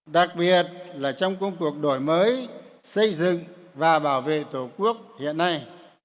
đặc biệt là trong công cuộc đổi mới xây dựng và bảo vệ tổ quốc hiện nay